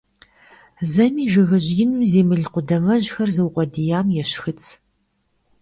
Зэми жыгыжь ину зи мыл къудамэжьхэр зыукъуэдиям ещхыц.